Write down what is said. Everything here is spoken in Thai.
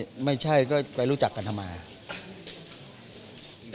ไม่ใช่ก็ไปรู้จักกันทำไม